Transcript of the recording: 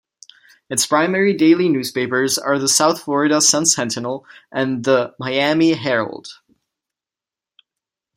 Its primary daily newspapers are the "South Florida Sun-Sentinel" and "The Miami Herald".